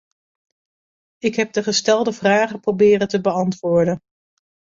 Ik heb de gestelde vragen proberen te beantwoorden.